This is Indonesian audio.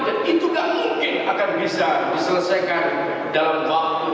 dan itu gak mungkin akan bisa diselesaikan dalam waktu